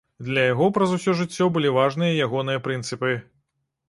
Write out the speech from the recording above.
Для яго праз усё жыццё былі важны ягоныя прынцыпы.